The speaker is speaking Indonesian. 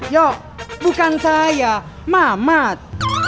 yo bukan saya mamat